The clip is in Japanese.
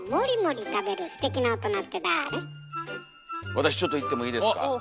私ちょっといってもいいですか？